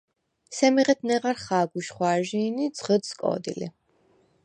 სემი ღეთ ნეღარ ხა̄გ უშხვა̄რჟი̄ნი ი ძღჷდ სკო̄დი ლი.